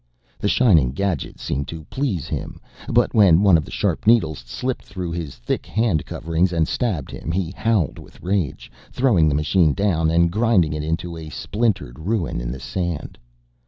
The shining gadget seemed to please him, but when one of the sharp needles slipped through his thick hand coverings and stabbed him he howled with rage, throwing the machine down, and grinding it into a splintered ruin in the sand.